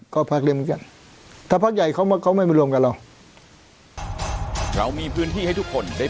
ก็พักเล็กเหมือนกัน